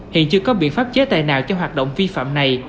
hiện chưa có biện pháp chế tài nào cho hoạt động vi phạm này